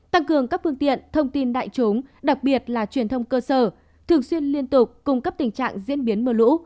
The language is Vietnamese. tăng cường các phương tiện thông tin đại chúng đặc biệt là truyền thông cơ sở thường xuyên liên tục cung cấp tình trạng diễn biến mưa lũ